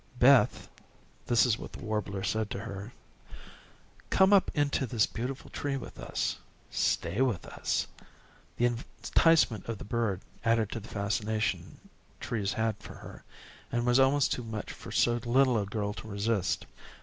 "Beth," this is what the warbler said to her, "come up into this beautiful tree with us. Stay with us." The enticement of the bird, added to the fascination trees had for her, was almost too much for so little a girl to resist.